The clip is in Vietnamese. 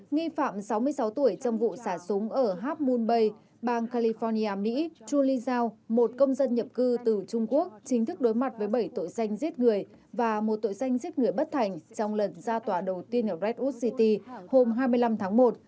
nghi phạm sáu mươi sáu tuổi trong vụ xả súng ở habmuney bang california mỹ chulisao một công dân nhập cư từ trung quốc chính thức đối mặt với bảy tội danh giết người và một tội danh giết người bất thành trong lần ra tòa đầu tiên ở redwood city hôm hai mươi năm tháng một